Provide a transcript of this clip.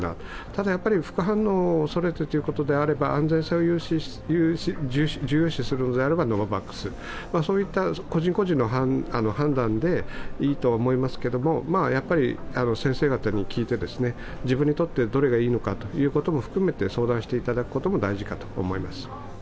ただ、副反応を恐れてということであれば安全性を重要視するのであればノババックス、そういった個人個人の判断でいいと思いますけれども、やっぱり先生方に聞いて、自分にとってどれがいいのかも含めて相談していただくことが大事かと思います。